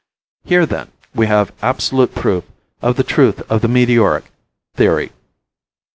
"Here, then, we have absolute proof of the truth of the meteoric theory.